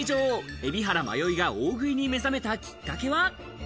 海老原まよいが大食いに目覚めたきっかけは？